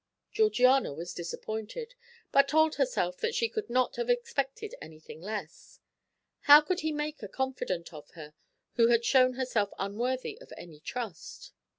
Georgiana was disappointed, but told herself that she could not have expected anything else. How could he make a confidant of her, who had shown herself unworthy of any trust.